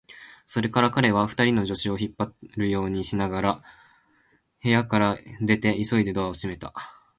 それから彼は、二人の助手を引っ張るようにしながら部屋から出て、急いでドアを閉めた。